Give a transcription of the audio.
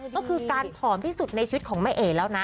ก็คือการผอมที่สุดในชีวิตของแม่เอ๋แล้วนะ